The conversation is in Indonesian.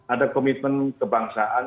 ada komitmen kebangsaan